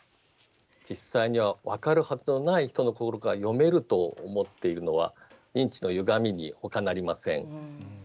実際には分かるはずのない人の心が読めると思っているのは認知のゆがみにほかなりません。